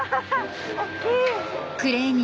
大っきい！